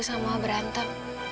sama mama berantem